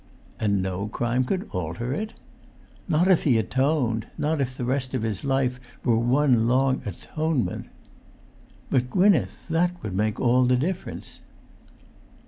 "And no crime could alter it?" "Not if he atoned—not if the rest of his life were one long atonement." "But, Gwynneth, that would make all the difference."